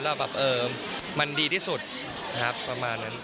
แล้วแบบเออมันดีที่สุดครับประมาณนั้น